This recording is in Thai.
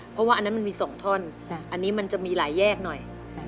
เพราะว่าอันนั้นมันมี๒ท่อนอันนี้มันจะมีหลายแยกหน่อย